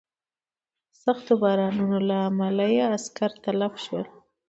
د سختو بارانونو له امله یې عسکر تلف شول.